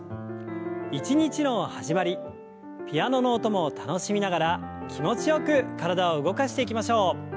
一日の始まりピアノの音も楽しみながら気持ちよく体を動かしていきましょう。